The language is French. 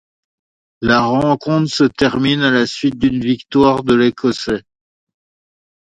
La rencontre se termine à la suite d'une victoire de l'Écossais.